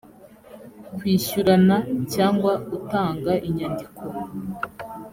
kwishyurana cyangwa utanga inyandiko